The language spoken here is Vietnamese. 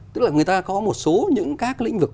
tức là người ta có một số những các lĩnh vực